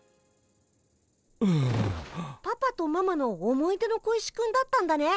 パパとママの思い出の小石くんだったんだね。